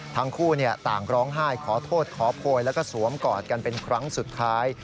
ทั้งคู่ต่างร้องไห้ขอโทษขอโพยแล้วก็สวมกอดกันเป็นครั้งสุดท้าย